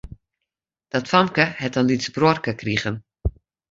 Dat famke hat in lyts bruorke krigen.